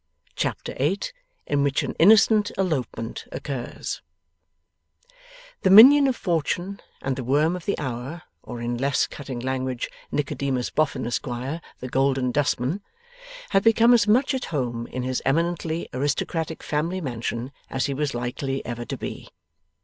Chapter 8 IN WHICH AN INNOCENT ELOPEMENT OCCURS The minion of fortune and the worm of the hour, or in less cutting language, Nicodemus Boffin, Esquire, the Golden Dustman, had become as much at home in his eminently aristocratic family mansion as he was likely ever to be.